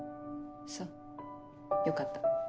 そうよかった。